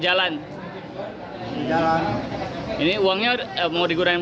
aku setengah jam